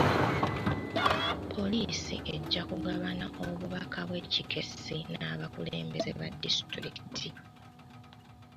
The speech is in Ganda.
Poliisi ejja kugabana obubaka bw'ekikessi n'abakulembeze ba disitulikiti.